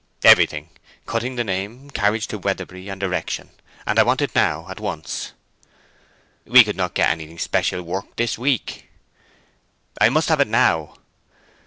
"Everything. Cutting the name, carriage to Weatherbury, and erection. And I want it now, at once." "We could not get anything special worked this week." "I must have it now."